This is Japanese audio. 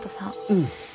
うん。